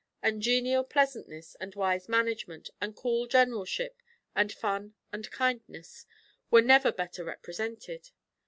And genial pleasantness, and wise management, and cool generalship, and fun and kindness, were never better represented.